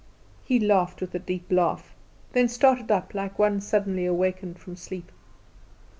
He laughed a deep laugh; then started up like one suddenly awakened from sleep.